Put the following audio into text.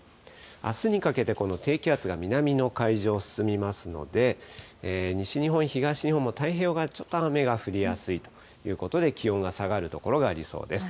あすにかけて、この低気圧が南の海上を進みますので、西日本、東日本の太平洋側、ちょっと雨が降りやすいということで、気温が下がる所がありそうです。